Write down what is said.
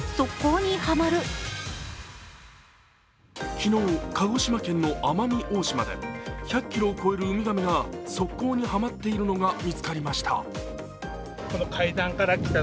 昨日、鹿児島県の奄美大島で１００ｋｇを超える海亀が側溝にはまっているのが見つかりました。